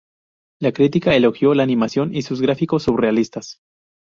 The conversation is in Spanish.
La crítica elogió la animación y sus gráficos surrealistas.